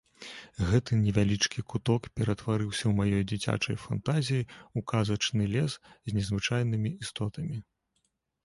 Гэты невялічкі куток ператварыўся ў маёй дзіцячай фантазіі ў казачны лес з незвычайнымі істотамі.